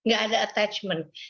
gak ada attachment